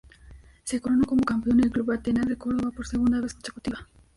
Se coronó como campeón el club Atenas de Córdoba, por segunda vez consecutiva.